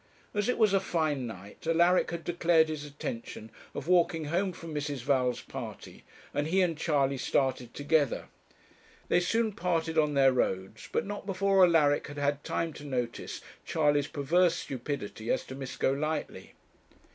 As it was a fine night Alaric had declared his intention of walking home from Mrs. Val's party, and he and Charley started together. They soon parted on their roads, but not before Alaric had had time to notice Charley's perverse stupidity as to Miss Golightly.